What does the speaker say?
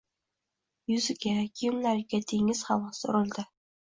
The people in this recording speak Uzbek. Yuziga, kiyimlariga dengiz havosi urildi